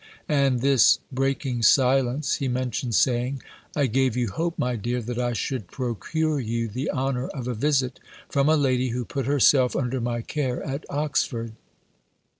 And this, breaking silence, he mentioned; saying, "I gave you hope, my dear, that I should procure you the honour of a visit from a lady who put herself under my care at Oxford."